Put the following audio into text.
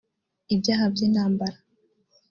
ibyaha by’intambara